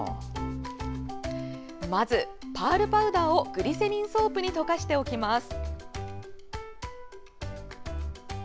まず、パールパウダーをグリセリンソープに溶かしておきます。